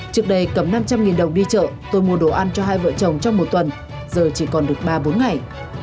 trước đây cầm năm trăm linh đồng đi chợ tôi mua đồ ăn cho hai vợ chồng trong một tuần giờ chỉ còn được ba bốn ngày